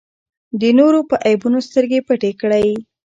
د نورو په عیبونو سترګې پټې کړئ.